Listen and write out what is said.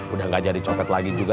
udah gak jadi copet lagi juga